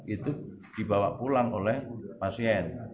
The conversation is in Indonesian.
itu dibawa pulang oleh pasien